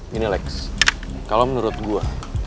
gini lex kalo menurut gue